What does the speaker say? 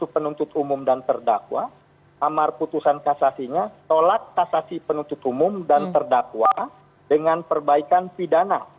penuntut umum dan terdakwa amar putusan kasasinya tolak kasasi penuntut umum dan terdakwa dengan perbaikan pidana